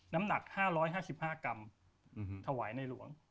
น้ำหนัก๕๕กรัมถวายในหลวง